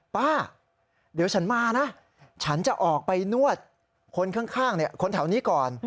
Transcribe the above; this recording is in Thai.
ป้าเดี๋ยวฉันมานะฉันจะออกไปนวดคนข้างคนแถวนี้ก่อน